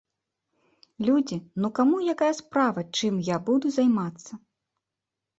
Людзі, ну каму якая справа, чым я буду займацца?